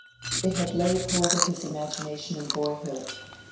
It had laid hold of his imagination in boyhood.